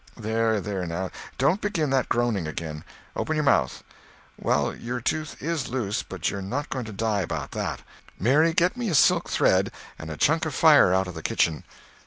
"There, there, now, don't begin that groaning again. Open your mouth. Well—your tooth is loose, but you're not going to die about that. Mary, get me a silk thread, and a chunk of fire out of the kitchen."